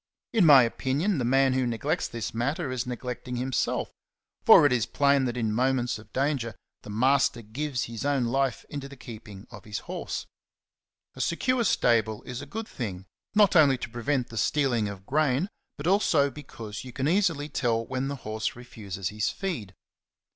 In my opin ion, the man who neglects this matter is neglecting himself; for it is plain that in moments of danger the master gives his own life into the keeping of his horse. A secure stable is a good thing, not only to prevent 28 XENOPHON ON HORSEMANSHIP. the stealing of grain, but also because you can easily tell when the horse refuses his feed.